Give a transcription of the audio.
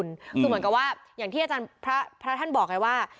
คือเหมือนกับว่าอย่างที่อาจารย์พระท่านบอกไงว่า